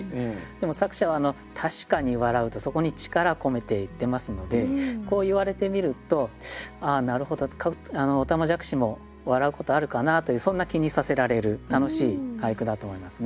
でも作者は「確かに笑ふ」とそこに力込めて言ってますのでこう言われてみるとああなるほどおたまじゃくしも笑うことあるかなというそんな気にさせられる楽しい俳句だと思いますね。